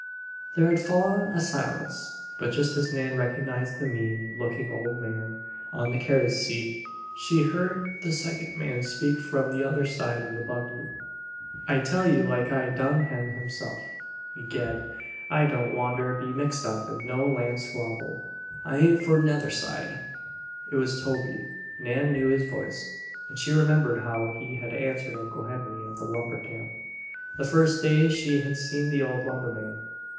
There had fallen a silence, but just as Nan recognized the mean looking old man on the carriage seat, she heard the second man speak from the other side of the buggy. "I tell you like I done Hen himself, Ged; I don't wanter be mixed up in no land squabble. I ain't for neither side." It was Toby. Nan knew his voice, and she remembered how he had answered Uncle Henry at the lumber camp, the first day she had seen the old lumberman.